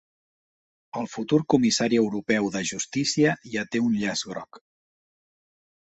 El futur comissari europeu de Justícia ja té un llaç groc